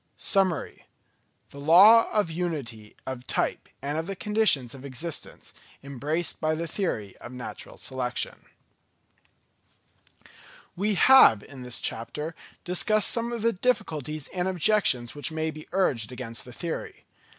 Summary: the Law of Unity of Type and of the Conditions of Existence embraced by the Theory of Natural Selection. We have in this chapter discussed some of the difficulties and objections which may be urged against the theory.